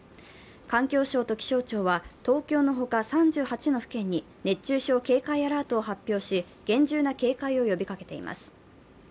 環境省と気象庁は東京のほか３８の府県に熱中症警戒アラートを発表し厳重な警戒を呼びかけています。